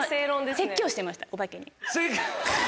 説教してましたお化けに。